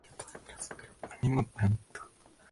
Louis, y St.